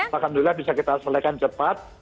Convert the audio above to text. dan alhamdulillah bisa kita selekan cepat